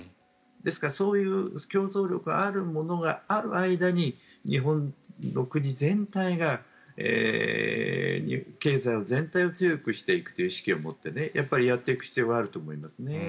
ですから、そういう競争力があるものがある間に日本の国全体が経済全体を強くしていくという意識を持ってやっぱりやっていく必要があると思います。